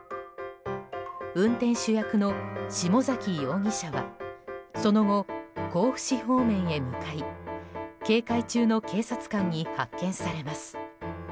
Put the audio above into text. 運転手役の下崎容疑者はその後、甲府市方面へ向かい警戒中の警察官に発見されます。